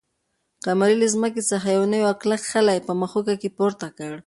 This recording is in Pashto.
قمرۍ له ځمکې څخه یو نوی او کلک خلی په مښوکه کې پورته کړ.